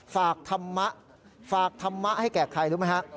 ฝากธรรมะฝากธรรมะให้แก่ใครรู้ไหมฮะ